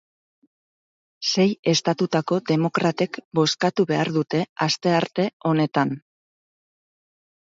Sei estatutako demokratek bozkatu behar dute astearte honetan.